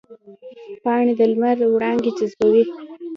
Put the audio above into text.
پاڼې د لمر وړانګې جذبوي